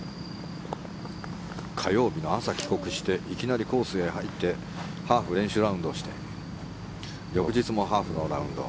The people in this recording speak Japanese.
火曜日の朝帰国していきなりコースに入ってハーフ練習ラウンドをして翌日もハーフのラウンド。